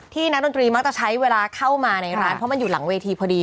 นักดนตรีมักจะใช้เวลาเข้ามาในร้านเพราะมันอยู่หลังเวทีพอดี